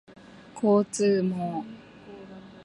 交通網